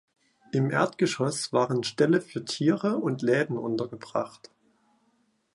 Im Erdgeschoss waren Ställe für Tiere und Läden untergebracht.